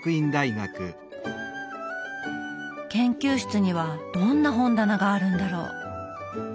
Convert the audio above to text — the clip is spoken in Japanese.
研究室にはどんな本棚があるんだろう。